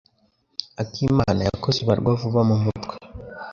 Akimana yakoze ibarwa vuba mumutwe.